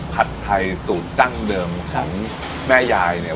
ผัดไทยสูตรดั้งเดิมของแม่ยายเนี่ย